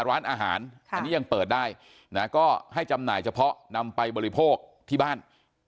ร้านอาหารอันนี้ยังเปิดได้นะก็ให้จำหน่ายเฉพาะนำไปบริโภคที่บ้าน